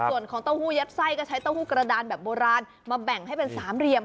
ส่วนของเต้าหู้เย็บไส้ก็ใช้เต้าหู้กระดานแบบโบราณมาแบ่งให้เป็นสามเหลี่ยม